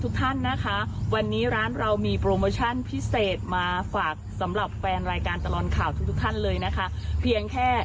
ฟังดีวันนี้ร้านเขาใจดี